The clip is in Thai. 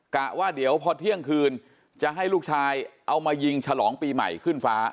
กะว่าเดี๋ยวพอเที่ยงคืนจะให้ลูกชายเอามายิงฉลองปีใหม่ขึ้นฟ้า